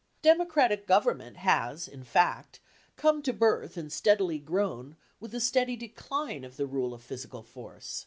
Democratic government has, in fact, come to birth and steadily grown with the steady decline of the rule of physical force.